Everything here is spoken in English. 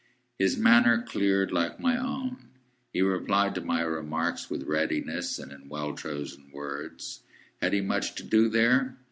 His manner cleared, like my own. He replied to my remarks with readiness, and in well chosen words. Had he much to do there?